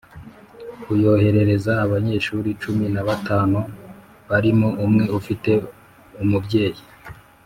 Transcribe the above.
Kuyoherereza abanyeshuri cumi na batanu barimo umwe ufite umubyeyi